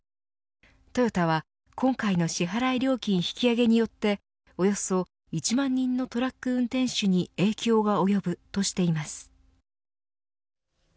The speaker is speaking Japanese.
トヨタは、今回の支払い料金引き上げによっておよそ１万人のトラック運転手に影響が及ぶとしています。